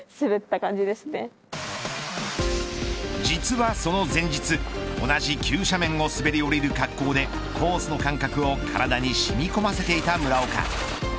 実はその前日同じ急斜面を滑り降りる滑降でコースの感覚を体に染み込ませていた村岡。